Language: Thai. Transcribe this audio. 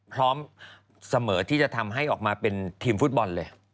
พร้อมเสมอที่จะทำให้ออกมาเป็นทีมฟุตบอลเลย